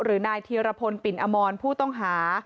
นายธีรพลปิ่นอมรผู้ต้องหา